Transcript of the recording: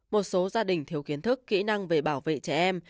một số gia đình thiếu kiến thức kỹ năng về bảo vệ trẻ em